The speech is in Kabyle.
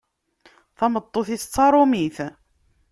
Tameṭṭut-is d taṛumit.